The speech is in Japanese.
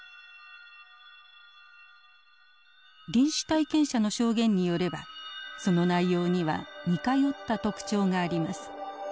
臨死体験者の証言によればその内容には似通った特徴があります。